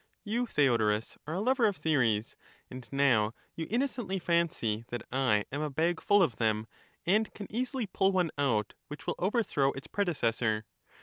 You, Theodorus, are a lover of theories, and now you innocently fancy that I am a bag full of them, and can easily pull one out which will overthrow its predecessor.